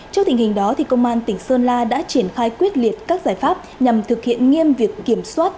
trước tình hình đó công an tỉnh sơn la đã triển khai quyết liệt các giải pháp nhằm thực hiện nghiêm việc kiểm soát